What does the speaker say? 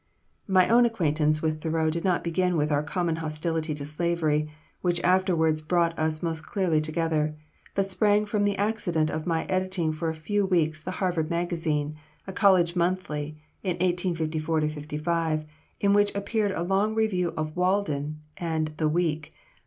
My own acquaintance with Thoreau did not begin with our common hostility to slavery, which afterwards brought us most closely together, but sprang from the accident of my editing for a few weeks the "Harvard Magazine," a college monthly, in 1854 55, in which appeared a long review of "Walden" and the "Week."